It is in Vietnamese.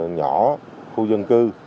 nhỏ khu dân cư